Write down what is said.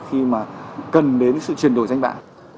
khi mà cần đến sự chuyển đổi danh bạc